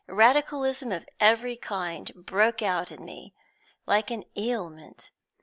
Radicalism of every kind broke out in me, like an ailment.